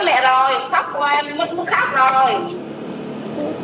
nhớ mẹ rồi khóc qua mình muốn khóc rồi